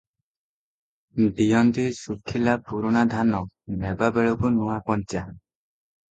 ଦିଅନ୍ତି ଶୁଖିଲା ପୁରୁଣା ଧାନ, ନେବା ବେଳକୁ ନୂଆ କଞ୍ଚା ।